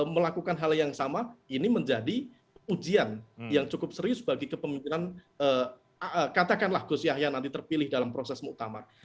melakukan hal yang sama ini menjadi ujian yang cukup serius bagi kepemimpinan katakanlah gus yahya nanti terpilih dalam proses muktamar